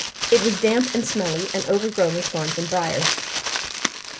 It was damp and smelly, and over-grown with thorns and briars.